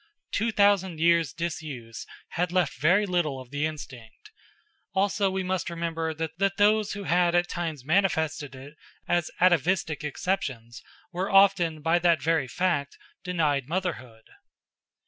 Two thousand years' disuse had left very little of the instinct; also we must remember that those who had at times manifested it as atavistic exceptions were often, by that very fact, denied motherhood.